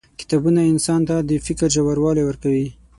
• کتابونه انسان ته د فکر ژوروالی ورکوي.